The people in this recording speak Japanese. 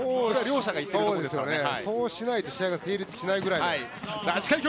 そうしないと試合が成立しないくらいの。